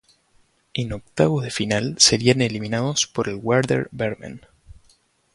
En octavos de final serían eliminados por el Werder Bremen.